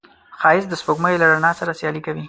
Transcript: ښایست د سپوږمۍ له رڼا سره سیالي کوي